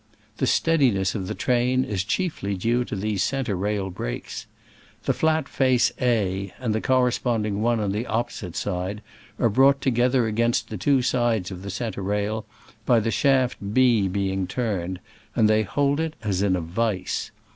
The steadiness of the train is chiefly due to these centre rail brakes. The flat face A and the corresppnding one on the op posite side are brought together against the two sides of the centre rail by the shaft B being turned, and they hold it as in a vice.